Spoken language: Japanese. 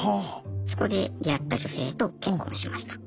そこで出会った女性と結婚しました。